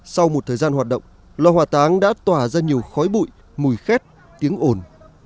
sau một thời gian hoạt động lò hòa táng đã tỏa ra nhiều khói bụi mùi khét tiếng ồn